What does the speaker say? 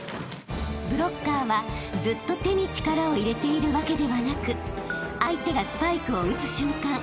［ブロッカーはずっと手に力を入れているわけではなく相手がスパイクを打つ瞬間力を込めるもの］